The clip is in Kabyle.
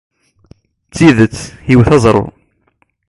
D tidet, iwt aẓru.